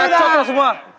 eh ada yang bacot lo semua